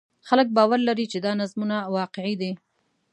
خلک باور لري چې دا نظمونه واقعي دي.